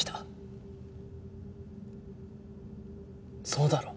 そうだろ？